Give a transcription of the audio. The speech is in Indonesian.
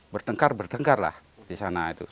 bertengkar bertengkarlah di sana itu